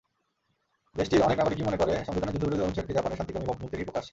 দেশটির অনেক নাগরিকই মনে করে, সংবিধানের যুদ্ধবিরোধী অনুচ্ছেদটি জাপানের শান্তিকামী ভাবমূর্তিরই প্রকাশ।